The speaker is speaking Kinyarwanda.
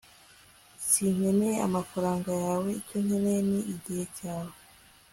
s sinkeneye amafaranga yawe. icyo nkeneye ni igihe cyawe